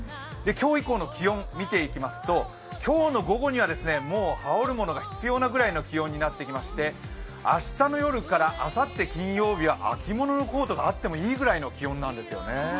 今日以降の気温を見ていきますと今日の午後にはもう羽織るものが必要なぐらいの気温になってきまして明日の夜からあさって金曜日は秋物のコートがあっていいぐらいの気温なんですよね。